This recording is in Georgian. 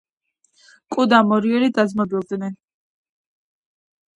კუ და მორიელი დაძმობილდნენ